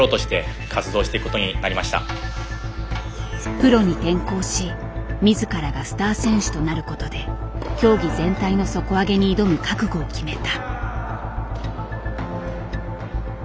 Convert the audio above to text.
プロに転向し自らがスター選手となることで競技全体の底上げに挑む覚悟を決めた。